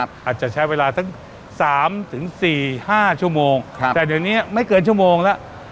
อาจจะใช้เวลาสัก๓๔๕ชั่วโมงแต่เดี๋ยวนี้ไม่เกินชั่วโมงแล้ว